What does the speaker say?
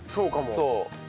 そう。